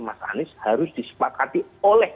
mas anies harus disepakati oleh